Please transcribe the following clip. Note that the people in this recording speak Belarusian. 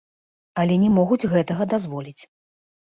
Але не могуць гэтага дазволіць.